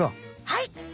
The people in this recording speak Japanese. はい。